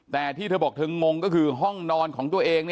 แต่ที่เธอบอกเธองงก็คือห้องนอนของตัวเอง